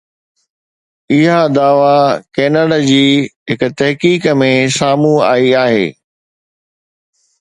اها دعويٰ ڪينيڊا جي هڪ تحقيق ۾ سامهون آئي آهي